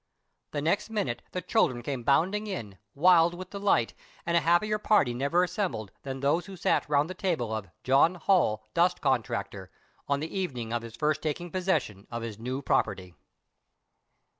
The next minute the children came bounding in, wild with delight, and a happier party never assembled than those who sat round the table of "John Holl, Dust Contractor," on the evening of his first taking possession of his new property.